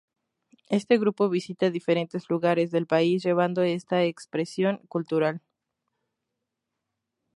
Este grupo visita diferentes lugares del país llevando este expresión cultural.